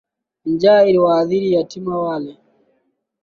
Njaa iliwaadhiri yatima wale.